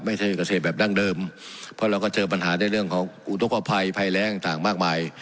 มันก็ไม่กระเศษแบบทำเดิมพอเราก็เจอปัญหาในเรื่องของอุตกภัยภายแลงต่างมากมาย